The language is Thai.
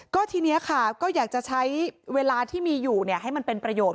ก็ทีนี้ค่ะก็อยากจะใช้เวลาที่มีอยู่ให้มันเป็นประโยชน